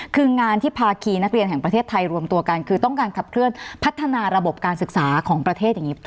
คืองานที่ภาคีนักเรียนแห่งประเทศไทยรวมตัวกันคือต้องการขับเคลื่อนพัฒนาระบบการศึกษาของประเทศอย่างนี้